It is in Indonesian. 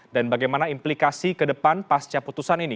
dan bagaimana implikasi ke depan pasca putusan ini